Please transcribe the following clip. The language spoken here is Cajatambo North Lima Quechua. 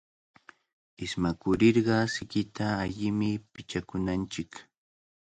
Ismakurirqa sikita allimi pichakunanchik.